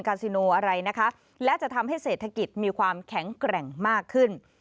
ซิโนอะไรนะคะและจะทำให้เศรษฐกิจมีความแข็งแกร่งมากขึ้น